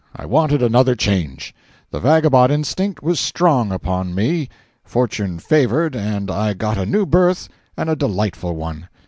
I wanted another change. The vagabond instinct was strong upon me. Fortune favored and I got a new berth and a delightful one.